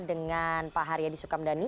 dengan pak haryadi sukamdhani